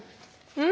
うん？